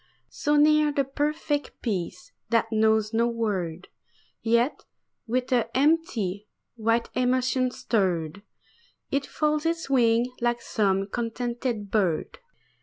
So near the perfect peace that knows no word; Yet with an empty, white emotion stirred, It folds its wings like some contented bird.